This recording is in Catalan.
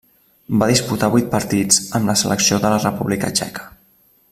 Va disputar vuit partits amb la selecció de la República Txeca.